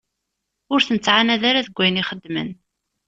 Ur ten-ttɛannad ara deg wayen i xeddmen.